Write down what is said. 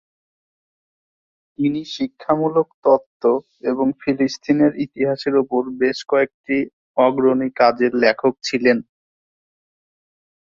তিনি শিক্ষামূলক তত্ত্ব এবং ফিলিস্তিনের ইতিহাসের উপর বেশ কয়েকটি অগ্রণী কাজের লেখক ছিলেন।